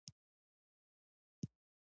خالد او قیس په کومه ژبه مکاتبه وکړه.